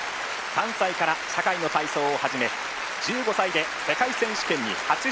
３歳から社会の体操を始め１５歳で世界選手権に初出場。